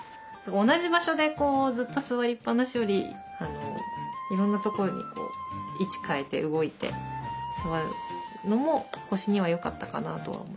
同じ場所でずっと座りっぱなしよりいろんな所に位置変えて動いて座るのも腰にはよかったかなとは思います。